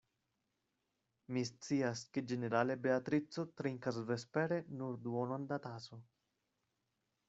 Mi scias, ke ĝenerale Beatrico trinkas vespere nur duonon da taso.